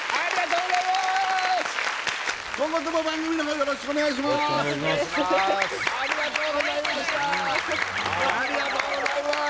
今後ともありがとうございます